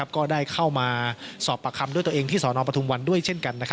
ก็ได้เข้ามาสอบปากคำด้วยตัวเองที่สนปทุมวันด้วยเช่นกัน